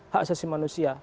hak asasi manusia